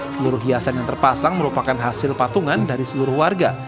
seluruh hiasan yang terpasang merupakan hasil patungan dari seluruh warga